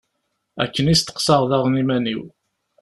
Akken i steqsaɣ daɣen iman-iw.